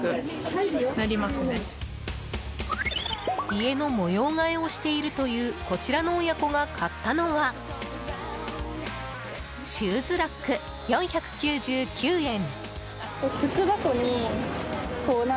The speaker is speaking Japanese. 家の模様替えをしているというこちらの親子が買ったのはシューズラック、４９９円。